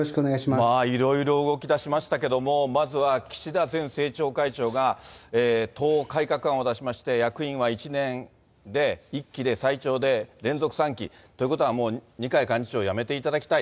いろいろ動きだしましたけど、まずは岸田前政調会長が、党改革案を出しまして、役員は１年で１期で最長で連続３期ということは、もう二階幹事長辞めていただきたい。